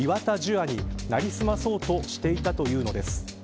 亞に成り済まそうとしていたというのです。